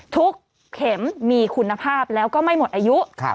เข็มมีคุณภาพแล้วก็ไม่หมดอายุ